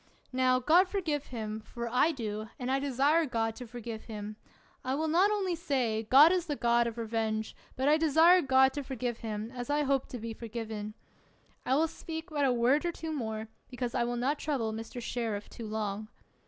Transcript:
Now, God forgive him, for I do, and I desire God to forgive him. I will not only say, God is the God of revenge, but I de sire God to forgive him, as I hope to be forgiven. I will speak but a word or two more, because I will not trouble Mr. Sheriff too long.